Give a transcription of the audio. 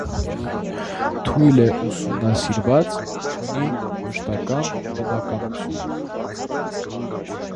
Թույլ է ուսումնասիրված, չունի մշտական բնակչություն։